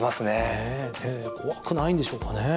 怖くないんでしょうかね。